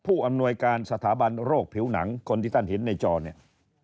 อำนวยการสถาบันโรคผิวหนังคนที่ท่านเห็นในจอเนี่ย